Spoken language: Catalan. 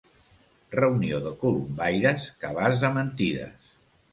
Reunió de colombaires, cabàs de mentides.